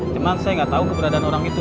cuman saya gak tau keberadaan orang itu